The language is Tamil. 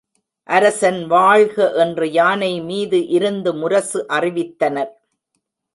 அரசன் வாழ்க என்று யானை மீது இருந்து முரசு அறைவித்தனர்.